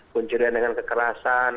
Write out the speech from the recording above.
pencurian dengan kekerasan